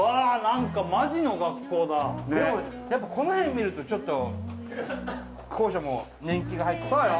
何かマジの学校だでもやっぱこの辺見るとちょっと校舎も年季が入ってるそうよ